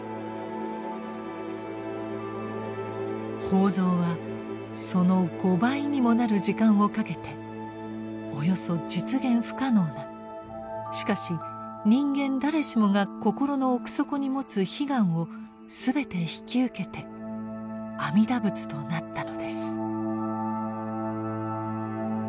法蔵はその５倍にもなる時間をかけておよそ実現不可能なしかし人間誰しもが心の奥底に持つ悲願を全て引き受けて阿弥陀仏となったのです。